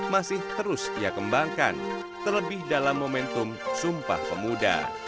masih terus ia kembangkan terlebih dalam momentum sumpah pemuda